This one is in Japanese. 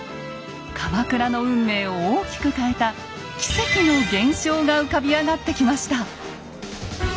鎌倉の運命を大きく変えた奇跡の現象が浮かび上がってきました。